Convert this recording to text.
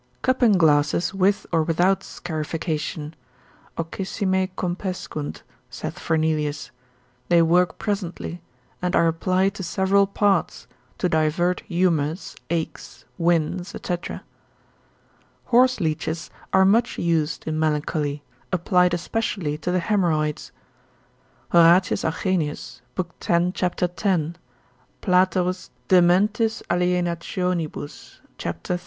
Cupping glasses with or without scarification, ocyssime compescunt, saith Fernelius, they work presently, and are applied to several parts, to divert humours, aches, winds, &c. Horseleeches are much used in melancholy, applied especially to the haemorrhoids. Horatius Augenius, lib. 10. cap. 10. Platerus de mentis alienat. cap. 3.